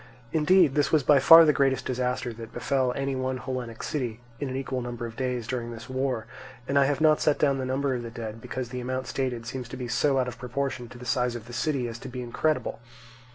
Indeed, this was by far the greatest disaster that befell any one Hellenic city in an equal number of days during this war; and I have not set down the number of the dead, because the amount stated seems so out of proportion to the size of the city as to be incredible.